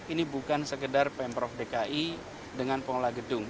ini bukan sekedar pemprov dki dengan pengelola gedung